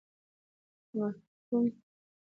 الف: محکوم له ب: حاکم ج: محکوم علیه د: ټوله سم دي